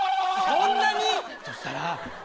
そんなに⁉そしたら。